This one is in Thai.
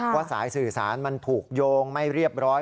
สายสื่อสารมันถูกโยงไม่เรียบร้อย